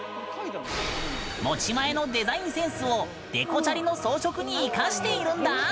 持ち前のデザインセンスをデコチャリの装飾に生かしているんだ。